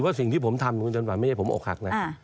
เราก็ไม่มีปัญหาครับว่าสิ่งที่ผมทำ